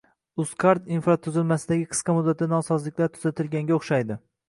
Uzcard infratuzilmasidagi qisqa muddatli nosozliklar tuzatilganga o'xshaydi